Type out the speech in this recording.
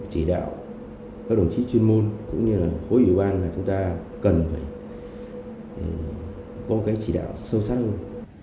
chỉ đạo các đồng chí chuyên môn cũng như là khối ủy ban là chúng ta cần phải có cái chỉ đạo sâu sắc hơn